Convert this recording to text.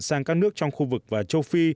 sang các nước trong khu vực và châu phi